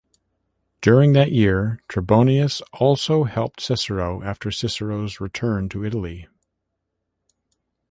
During that year, Trebonius also helped Cicero after Cicero's return to Italy.